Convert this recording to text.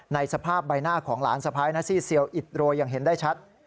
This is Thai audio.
สภาพใบหน้าของหลานสะพ้ายนะซี่เซียวอิดโรยอย่างเห็นได้ชัด